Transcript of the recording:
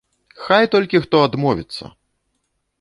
Хай толькі хто адмовіцца!